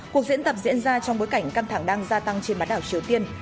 cuộc diễn tập diễn ra trong bối cảnh căng thẳng đang gia tăng trên bán đảo triều tiên